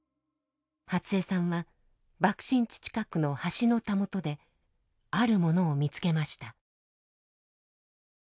初恵さんは爆心地近くの橋のたもとであるものを見つけました。